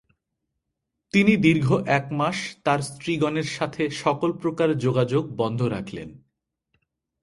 তিনি দীর্ঘ এক মাস তার স্ত্রীগণের সাথে সকল প্রকার যোগাযোগ বন্ধ রাখলেন।